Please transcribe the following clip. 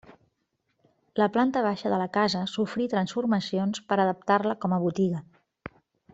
La planta baixa de la casa sofrí transformacions per adaptar-la com a botiga.